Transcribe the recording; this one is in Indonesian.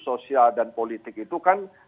sosial dan politik itu kan